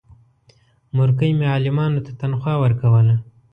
مورکۍ مې عالمانو ته تنخوا ورکوله.